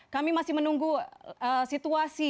kami masih menunggu situasi